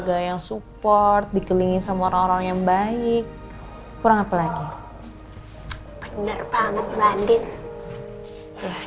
gak perlu bilang makasih